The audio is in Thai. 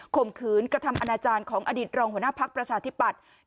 ข่มขืนกระทำอนาจารย์ของอดีตรองหัวหน้าภักดิ์ประชาธิปัตย์